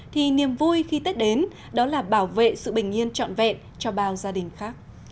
thì niềm vui khi tết đến đó là bảo vệ sự bình yên trọn vẹn cho bao gia đình khác